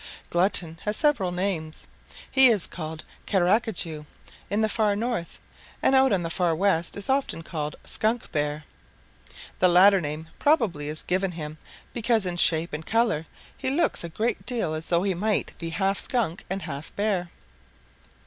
"Glutton has several names. He is called 'Carcajou' in the Far North, and out in the Far West is often called 'Skunkbear.' The latter name probably is given him because in shape and color he looks a good deal as though he might be half Skunk and half Bear.